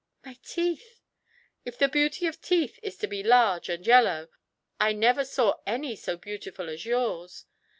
"My teeth " "If the beauty of teeth is to be large and yellow, I never saw any so beautiful as yours."